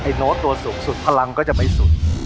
โน้ตตัวสูงสุดพลังก็จะไม่สุด